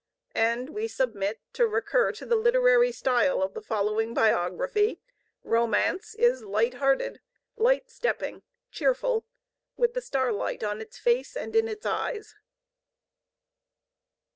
And, we submit, to recur to the literary style of the following biography, Romance is light hearted, light stepping, cheerful, with the starlight on its face and in its eyes.